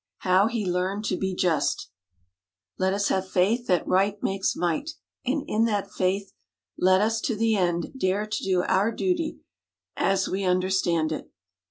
HOW HE LEARNED TO BE JUST _Let us have faith that Right makes Might, and in that Faith, let us to the end, dare to do our duty as we understand it.